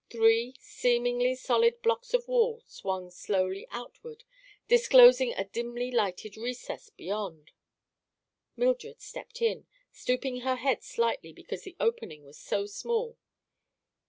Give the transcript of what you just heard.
Three seemingly solid blocks of the wall swung slowly outward, disclosing a dimly lighted recess beyond. Mildred stepped in, stooping her head slightly because the opening was so small.